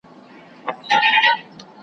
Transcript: نېغ راته مه نیسه باڼه بلا وهلی یمه